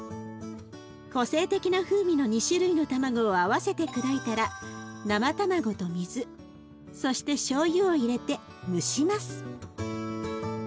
個性的な風味の２種類の卵を合わせて砕いたら生卵と水そしてしょうゆを入れて蒸します。